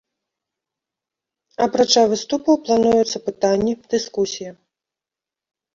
Апрача выступаў плануюцца пытанні, дыскусія.